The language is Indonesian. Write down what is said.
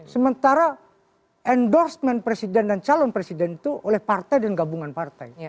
sementara endorsement presiden dan calon presiden itu oleh partai dan gabungan partai